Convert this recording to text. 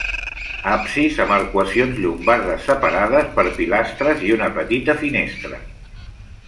Absis amb arcuacions llombardes separades per pilastres i una petita finestra.